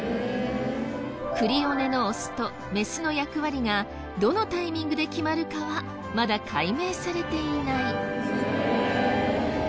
クリオネのオスとメスの役割がどのタイミングで決まるかはまだ解明されていない。